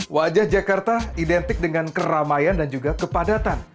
wajah jakarta identik dengan keramaian dan juga kepadatan